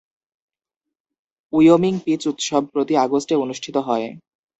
"উইয়োমিং peach উৎসব" প্রতি আগস্টে অনুষ্ঠিত হয়।